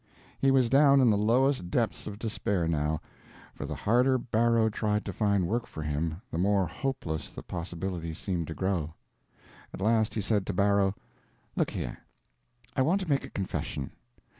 He was down in the lowest depths of despair, now; for the harder Barrow tried to find work for him the more hopeless the possibilities seemed to grow. At last he said to Barrow: "Look here. I want to make a confession.